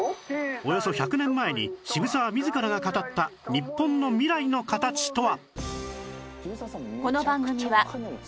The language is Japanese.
およそ１００年前に渋沢自らが語った日本の未来の形とは？